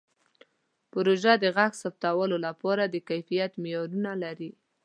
پروژه د غږ ثبتولو لپاره د کیفیت معیارونه لري.